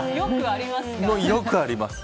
よくありますか？